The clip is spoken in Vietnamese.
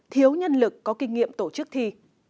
thiếu nhân lực có kinh nghiệm tổ chức thi